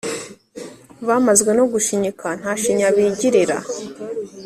Bamazwe no gushinyika Nta shinya bigirira.